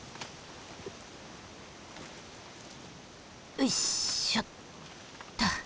よいしょっと。